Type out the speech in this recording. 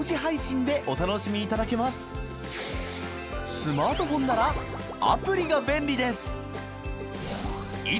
スマートフォンならアプリが便利です。